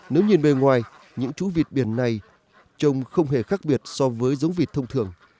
nếu nhìn bề ngoài những chú vịt biển này trông không hề khác biệt so với giống vịt thông thường